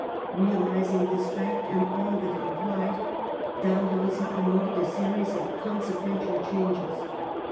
^ Realizing this fact and all that it implied, Dalhousie promoted a series of consequential changes.